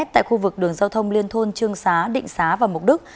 tại khu vực đường giao thông liên thôn trương xá định xá và mục đích